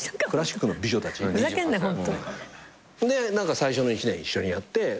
で最初の１年一緒にやって。